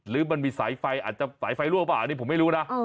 หรือมันมีสายไฟอาจจะสายไฟรั่วป่ะอันนี้ผมไม่รู้นะ